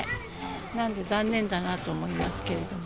なので残念だなと思いますけれども。